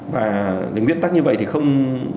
và nguyên tắc như vậy thì không